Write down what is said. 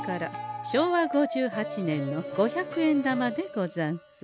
昭和５８年の五百円玉でござんす。